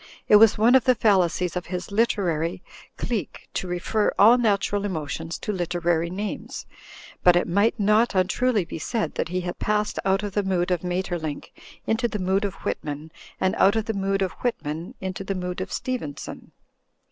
It was one of the fallacies of his literary clique to refer all natural emotions to literary names, but it might not untruly be said that he had passed out of the mood of Maeterlinck into the mood of Whitman, and out of the mood of Whitman into the mood of Stevenson.